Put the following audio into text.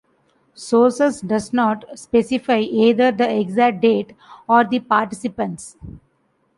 Sources doesn't specify either the exact date or the participants.